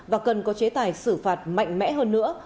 và cần có chế tài xử phạt mạnh mẽ hơn nữa